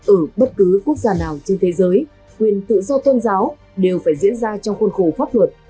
ở bất cứ quốc gia nào trên thế giới quyền tự do tôn giáo đều phải diễn ra trong khuôn khổ pháp luật